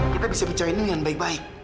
kita bisa bicara ini dengan baik baik